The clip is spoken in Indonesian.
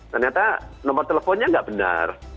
ternyata nomor teleponnya nggak benar